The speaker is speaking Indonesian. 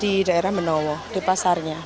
di daerah menowo di pasarnya